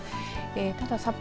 ただ札幌